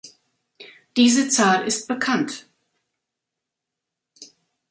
Diese Zahl ist bekannt.